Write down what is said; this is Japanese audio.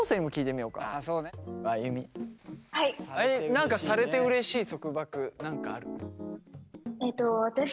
何かされてうれしい束縛何かある？